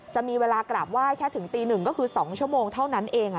จะมีเวลากราบไหว้แค่ถึงตีหนึ่งก็คือ๒ชั่วโมงเท่านั้นเอง